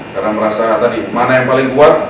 karena merasa tadi mana yang paling kuat